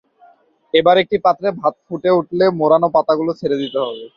এবার একটি পাত্রে ভাত ফুটে উঠলে মোড়ানো পাতাগুলো ছেড়ে দিতে হবে।